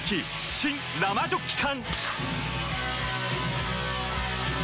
新・生ジョッキ缶！